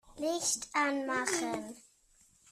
Licht anmachen.